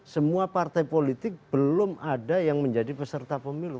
semua partai politik belum ada yang menjadi peserta pemilu